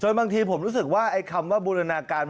บางทีผมรู้สึกว่าไอ้คำว่าบูรณาการ